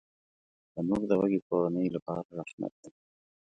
تنور د وږې کورنۍ لپاره رحمت دی